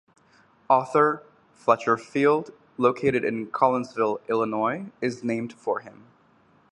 Arthur Fletcher Field, located in Collinsville, Illinois, is named for him.